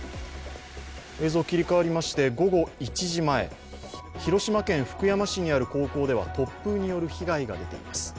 映像切り替わりまして午後１時前広島県福山市にある高校では突風による被害が出ています。